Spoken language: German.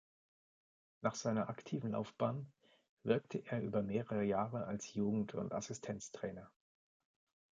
Nach seiner aktiven Laufbahn wirkte er über mehrere Jahre als Jugend- und Assistenztrainer.